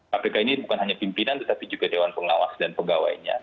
kpk ini bukan hanya pimpinan tetapi juga dewan pengawas dan pegawainya